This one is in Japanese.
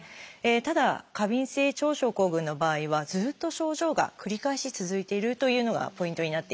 ただ過敏性腸症候群の場合はずっと症状が繰り返し続いてるというのがポイントになっています。